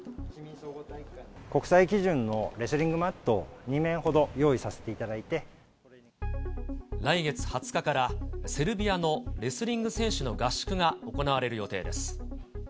国際基準のレスリングマット来月２０日から、セルビアのレスリング選手の合宿が行われる予定です。